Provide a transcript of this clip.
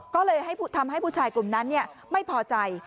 ก็เลยทำให้ผู้ชายกลุ่มนั้นไม่พอใจ